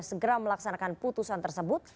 segera melaksanakan putusan tersebut